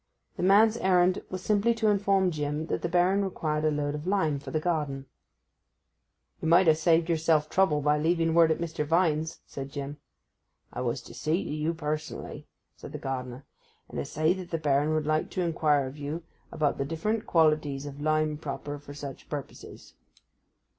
The man's errand was simply to inform Jim that the Baron required a load of lime for the garden. 'You might have saved yourself trouble by leaving word at Mr. Vine's,' said Jim. 'I was to see you personally,' said the gardener, 'and to say that the Baron would like to inquire of you about the different qualities of lime proper for such purposes.